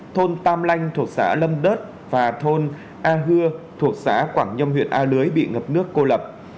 thôn tam lanh thuộc xã lâm đớt và thôn a hưa thuộc xã quảng nhâm huyện a lưới bị ngập nước cô lập